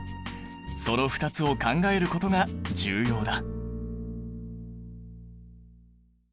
その２つを考えることが重要だ！